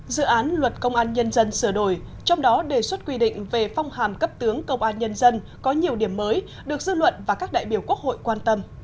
dự án luật công an nhân dân sửa đổi trong đó đề xuất quy định về phong hàm cấp tướng công an nhân dân có nhiều điểm mới được dư luận và các đại biểu quốc hội quan tâm